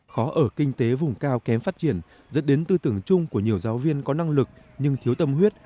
khó ở kinh tế vùng cao kém phát triển dẫn đến tư tưởng chung của nhiều giáo viên có năng lực nhưng thiếu tâm huyết